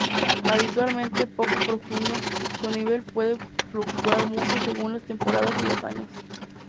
Habitualmente poco profundo, su nivel puede fluctuar mucho según las temporadas y los años.